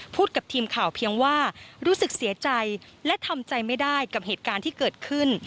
กับทีมข่าวเพียงว่ารู้สึกเสียใจและทำใจไม่ได้กับเหตุการณ์ที่เกิดขึ้น